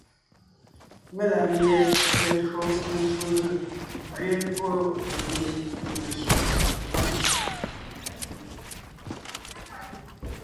Mela ʼmie lelÿò mencwò gʉ̀ gẅiin pɔ́ yɛ́ ngyè ŋwɛ́.